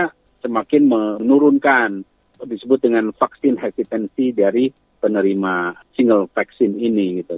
ini tentunya semakin menurunkan disebut dengan vaksin hesitancy dari penerima single vaksin ini gitu